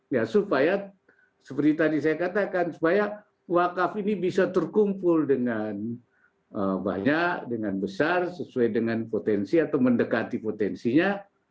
ya supaya seperti tadi saya katakan supaya wakaf ini bisa terkumpul dengan banyak dengan besar sesuai dengan potensi atau mendekati potensinya